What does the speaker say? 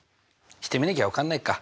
してみなきゃ分かんないか。